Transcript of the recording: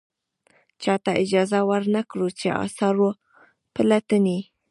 چاته اجازه ور نه کړو چې اثار و پلټنې.